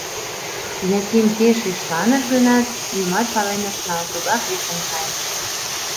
Яким пеш шишланыш гынат, нимат пален ыш нал — тугак лектын кайыш.